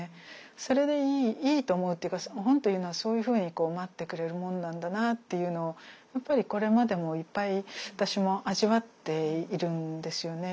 それでいいと思うっていうか本っていうのはそういうふうに待ってくれるもんなんだなっていうのをやっぱりこれまでもいっぱい私も味わっているんですよね。